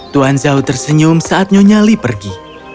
tuan zhao tersenyum saat nyonyali pergi